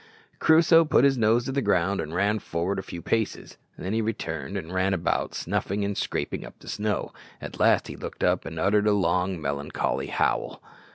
Crusoe put his nose to the ground and ran forward a few paces, then he returned and ran about snuffing and scraping up the snow. At last he looked up and uttered a long melancholy howl.